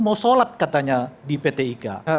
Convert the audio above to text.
mau sholat katanya di pt ika